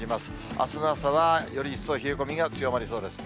あすの朝は、より一層、冷え込みが強まりそうです。